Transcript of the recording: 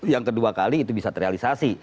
yang kedua kali itu bisa terrealisasi